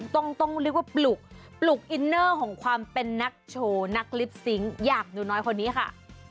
ต้องเรียกว่าปลุกปลุกอินเนอร์ของความเป็นนักโชว์นักลิปซิงค์อย่างหนูน้อยคนนี้ค่ะ